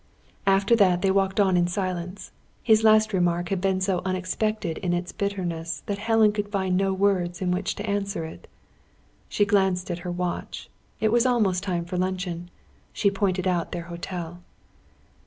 After that they walked on in silence. His last remark had been so unexpected in its bitterness, that Helen could find no words in which to answer it. She glanced at her watch. It was almost time for luncheon. She pointed out their hotel.